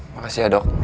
makasih ya dok